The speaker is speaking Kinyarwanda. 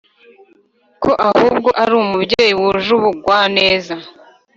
ko ahubwo ari umubyeyi wuje ubugwaneza